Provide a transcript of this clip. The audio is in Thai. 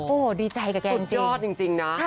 โอ้โหดีใจกับแกสุดยอดจริงนะ